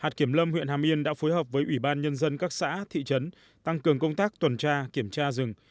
hạt kiểm lâm huyện hà miên đã phối hợp với ủy ban nhân dân các xã thị trấn tăng cường công tác tuần tra kiểm tra rừng